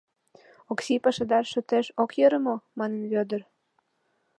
Оксий пашадар шотеш ок йӧрӧ мо? — манын Вӧдыр.